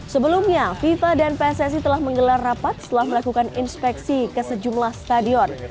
sebelumnya fifa dan pssi telah menggelar rapat setelah melakukan inspeksi ke sejumlah stadion